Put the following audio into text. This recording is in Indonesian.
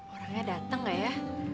orangnya dateng gak ya